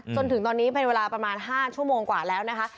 จนถึงตอนนี้เป็นเวลาประมาณ๕ชั่วโมงกว่าแล้วนะคะ